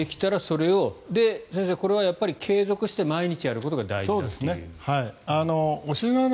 先生、これは継続して毎日やることが大事だという。